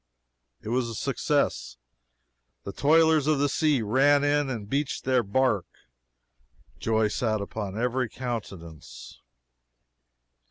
It was a success. The toilers of the sea ran in and beached their barque. Joy sat upon every countenance.